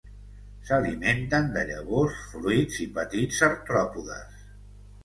S'alimenten de llavors, fruits i petits artròpodes.